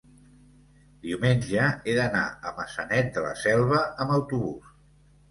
diumenge he d'anar a Maçanet de la Selva amb autobús.